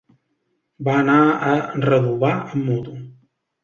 Va anar a Redovà amb moto.